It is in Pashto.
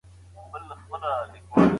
هغه شیان چې خلګ سره تړي باید وپېژندل سي.